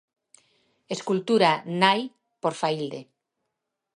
Escultura 'Nai', por Faílde.